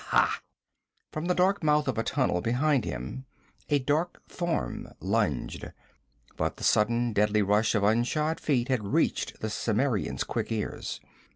Ha!' From the dark mouth of a tunnel behind him a dark form lunged. But the sudden, deadly rush of unshod feet had reached the Cimmerian's quick ears.